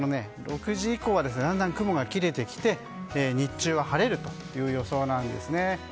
６時以降はだんだん雲が切れてきて日中は晴れる予想なんですね。